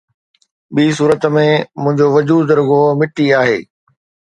ٻي صورت ۾ منهنجو وجود رڳو مٽي آهي.